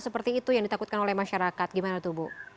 seperti itu yang ditakutkan oleh masyarakat gimana tuh bu